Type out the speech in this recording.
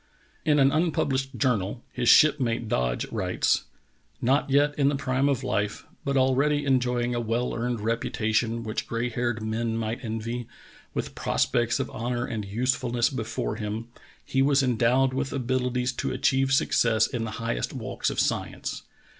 In an unpublished journal his shipmate Dodge writes: "Not yet in the prime of life, but already enjoying a well earned reputation which gray haired men might envy, with prospects of honor and usefulness before him, he was endowed with abilities to achieve success in the highest walks of science.